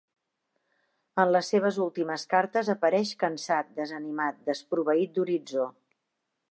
En les seves últimes cartes apareix cansat, desanimat, desproveït d'horitzó.